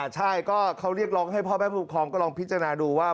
ใช่ก็เขาเรียกร้องให้พ่อแม่ผู้ปกครองก็ลองพิจารณาดูว่า